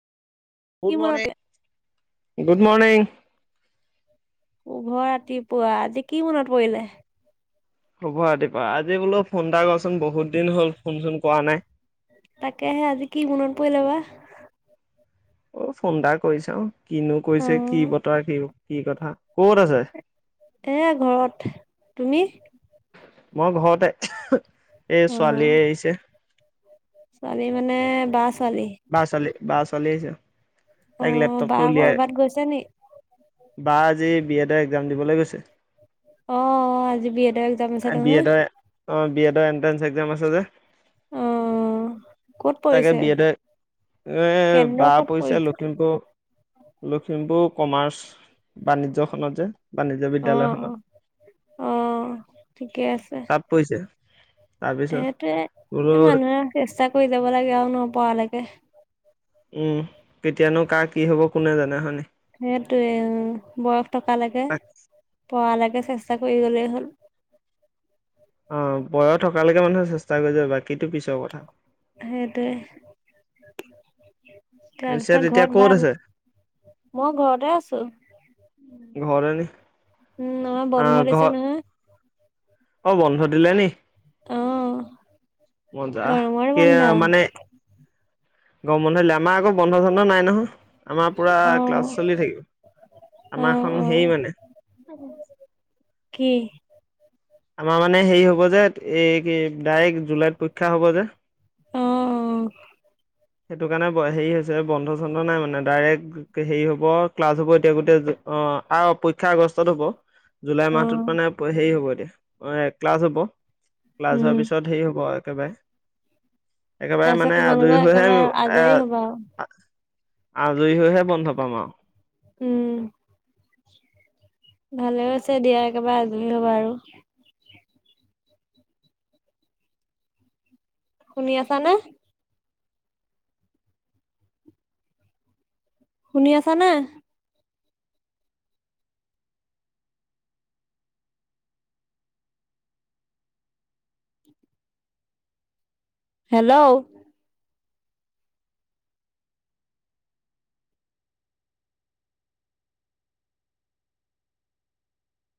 কি গুড মনত morning good morning. শুভ ৰাতিপুৱা আজি কি মনত পৰিলে? শুভ ৰাতিপুৱা। আজি বোলো ফোন এটা কৰোচোন বহুত দিন হ'ল ফোন চোন কৰা নাই। তাকেহে আজি কি মনত পৰিল বা অ' ফোন এটা কৰিছা অ কিনো অ কৈছে কি বতৰা কি কি কথা ক'ত আছে? এ ঘৰত তুমি। মই ঘতে এই ছোৱালীয়ে আহিছে ছোৱালী মানে বা ছোৱালী ব চালি ব চালছ অ বা কৰবাত গৈছ নি। বা আজি বি এডৰ একজাম দিবলৈ গৈছে। অ অ আজি বি এডৰ এক্জাম আছে বি নহয় এডৰ অ বি এডৰ এন্ট্ৰেন্ঞ্চ এক্জাম আছে যে। অ ক'ত [inaudible] তাকে পৰিছে বিয়াতে এ কেন্দ্ৰ ব ক'ত পৰিছে লখিমপুৰ লখিমপুৰ কমাৰ্চ বাণিজ্য খনত যে বাণিজ্য অ বিদ্যায়লয়খনত অ অ' ঠিকে আছে। তাৰপিছত সেইটোৱে বোলো মানুহে চেষ্টা কৰি যাব লাগে আৰু নপঢ়ালৈকে উম কেতিয়ানো ক কি হব কোনে জানে হয় ন। সেইটোয়ে উম বয়স থকা লৈকে। পালৈকে চেষ্টা কৰি গলেই হ'ল। অ বয়স থকালৈকে মানুহে চেষ্টা কৰি য বাকীটো পিছৰ কথা। সেইটো পিছে তাৰপিছত তেতিয়া ঘৰত ক'ত ভাল আছে? মই ঘৰতে আছো ঘৰ নি উম নহয় বন্ধ অ', দিছে ঘৰ নহয় অ বন্ধ দিলে নি অ', মজা গৰমৰ কি বন্ধ। মানে গম বন্ধলে আমাৰ আকৌ বন্ধ চন্ধ নাই নহয়। আমাৰ পুৰা ক্লাছ অ', চলি থাকিব অ', আমাৰখন অ', হেইৰি মানে কি? আমাৰ মানে হেৰি হ'ব যে এই কি ডাইৰেক্ট জুলাইত পৰীক্ষা হ'ব যে অ অ সেইটো কাৰণে হেৰি হৈছে বন্ধ চন্ধ নাই মানে ডাইৰেক্ট হেৰি হব ক্লাছ হব এতিয়া গোটেই অ আৰু পৰীক্ষা আগষ্টত হব। জুলাই অ', মাহটোত মানে হেৰি হব এতিয়া অ ক্লাছ হব ক্লাছ হোৱাৰ উম। পিছত হেৰি হ'ব একেবাৰে একেবাৰে তাৰপিছত মানে তোমালোকৰ আজৰি হৈহে একেবাৰে আজৰি হ'বা আৰু। এ আজৰি হৈহে বন্ধ পাম আৰু উম ভালে আছে দিয়া একেবাৰে আজৰি হবা আৰু শুনি আছা ন। শুনি আছা না হেল্ল'